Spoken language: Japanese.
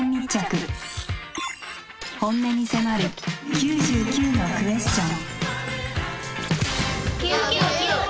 本音に迫る９９のクエスチョン。